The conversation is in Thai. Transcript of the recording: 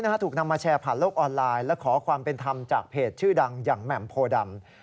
ถูกนำมาแชร์ผ่านโลกออนไลน์และขอความเป็นธรรมจากเพจชื่อดังอย่างแหม่มโพดำ